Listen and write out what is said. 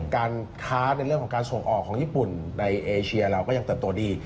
การค้าในเรื่องของการส่งออกของญี่ปุ่นในเอเชียเราก็ยังเติบโตดี